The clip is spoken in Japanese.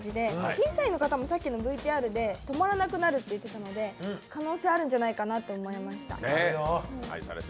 審査員の方もさっきのＶＴＲで止まらなくなると言っていたので可能性あるんじゃないかなと思いました。